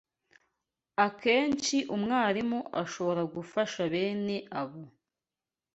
Akenshi umwarimu ashobora gufasha bene abo